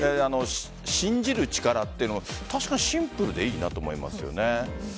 信じる力というのは、確かにシンプルでいいなと思いますね。